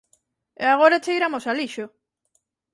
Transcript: E agora cheiramos a lixo.